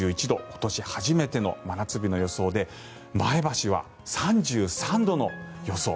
今年初めての真夏日の予想で前橋は３３度の予想。